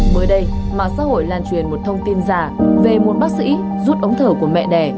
mới đây mạng xã hội lan truyền một thông tin giả về một bác sĩ rút ống thở của mẹ đẻ